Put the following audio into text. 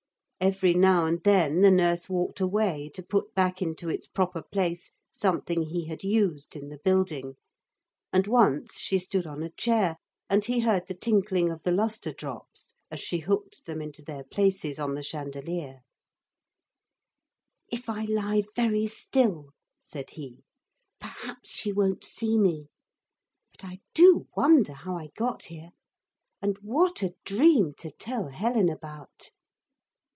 Every now and then the nurse walked away to put back into its proper place something he had used in the building. And once she stood on a chair, and he heard the tinkling of the lustre drops as she hooked them into their places on the chandelier. 'If I lie very still,' said he, 'perhaps she won't see me. But I do wonder how I got here. And what a dream to tell Helen about!'